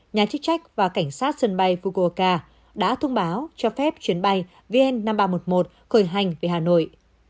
nhà chức trách và cảnh sát sân bay fukoka đã thông báo cho phép chuyến bay vn năm nghìn ba trăm một mươi một khởi hành về hà nội